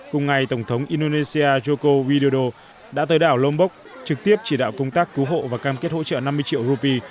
cùng ngày tổng thống indonesia joko widodo đã tới đảo lombok trực tiếp chỉ đạo công tác cứu hộ và cam kết hỗ trợ năm mươi triệu rupee